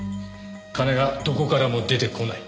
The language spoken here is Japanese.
金がどこからも出てこない。